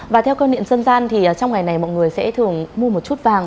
và theo cơ niệm sân gian thì trong ngày này mọi người sẽ thường mua một chút vàng